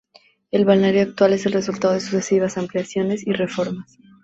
El balneario actual es el resultado de sucesivas ampliaciones y reformas.